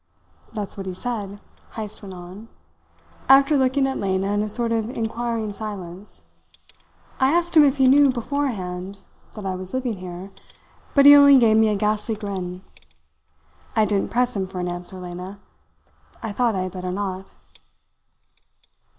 "That's what he said," Heyst went on, after looking at Lena in a sort of inquiring silence. "I asked him if he knew beforehand that I was living here; but he only gave me a ghastly grin. I didn't press him for an answer, Lena. I thought I had better not."